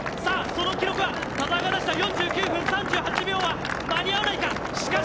その記録は田澤が出した４９分３８秒は間に合わないか。